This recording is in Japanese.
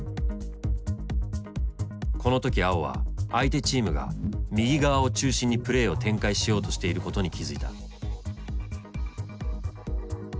この時碧は相手チームが右側を中心にプレーを展開しようとしていることに気付いた。